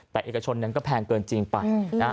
แต่เอกชนนั้นก็แพงเกินจริงไปนะฮะ